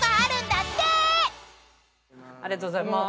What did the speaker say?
ありがとうございます。